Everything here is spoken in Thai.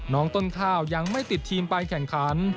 น้องต้นข้าวยังไม่ติดทีมไปแข่งขัน